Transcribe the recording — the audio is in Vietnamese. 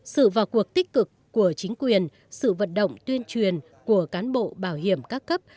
sự vào cuộc tích cực của chính quyền sự vận động tuyên truyền của cán bộ bảo hiểm các cấp